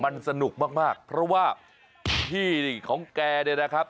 มันสนุกมากเพราะว่าพี่ของแกเนี่ยนะครับ